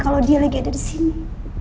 kalau dia lagi ada disini